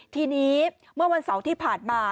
ทีนี้เมื่อวันเสาร์ที่ผ่านมา